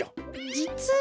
じつは。